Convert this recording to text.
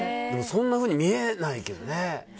そんなふうに見えないけどね。